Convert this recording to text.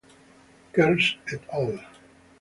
Kirsch "et al.